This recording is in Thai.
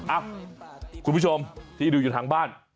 คุณผู้ชมที่ดูอยู่ทางบ้าน